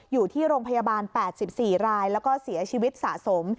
อยู่ที่โรงพยาบาล๘๔รายแล้วก็เสียชีวิตสะสม